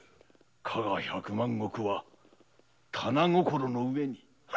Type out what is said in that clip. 加賀百万石は掌の上に。